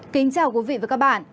kính chào quý vị và các bạn